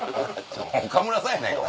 岡村さんやないか。